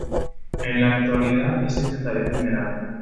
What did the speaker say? En la actualidad es secretario general.